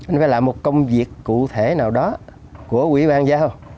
nó phải là một công việc cụ thể nào đó của quỹ ban giao